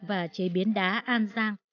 và chế biến đá an giang